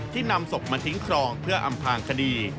นำศพมาทิ้งครองเพื่ออำพางคดี